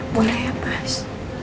boleh ya pas